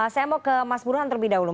saya mau ke mas burhan terlebih dahulu